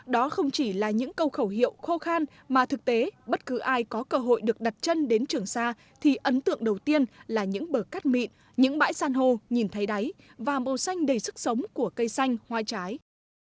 đó không chỉ là những câu khẩu hiệu khô khan mà thực tế bất cứ ai có cơ hội được đặt chân đến trường xa thì ấn tượng đầu tiên là những bờ cắt mịn những bãi san hô nhìn thấy đáy và màu xanh đầy sức sống của cây xanh hoa trái